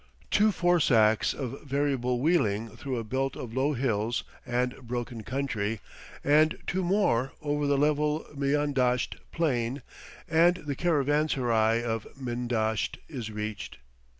Two farsakhs of variable wheeling through a belt of low hills and broken country, and two more over the level Miandasht Plain, and the caravanserai of Miandasht is reached.